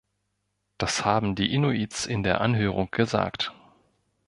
Das haben die Inuits in der Anhörung gesagt.